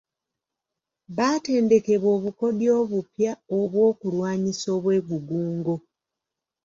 Baatendekebwa obukodyo obupya obw'okulwanyisa obwegugungo